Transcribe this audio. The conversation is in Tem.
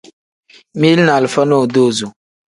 Mili ni alifa nodozo.